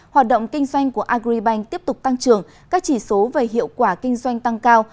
hoạt động kinh doanh của agribank tiếp tục tăng trưởng các chỉ số về hiệu quả kinh doanh tăng cao